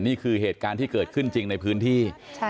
นี่คือเหตุการณ์ที่เกิดขึ้นจริงในพื้นที่